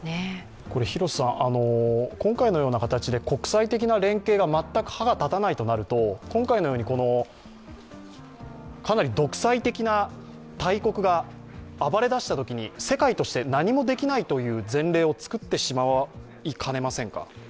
今回のような形で国際的な連携が全く歯が立たないとなると今回のようにかなり独裁的な大国が暴れ出したときに世界として何もできないという前例をつくってしまいかねませんか。